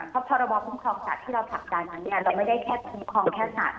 เพราะพรบคุ้มครองสัตว์ที่เราทำการนั้นเราไม่ได้แค่คุ้มครองแค่สัตว